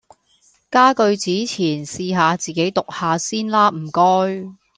加句子前試下自己讀下先啦唔該